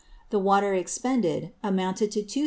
The Water expended, amounted to Gr.